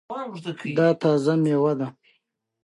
دا تازه دی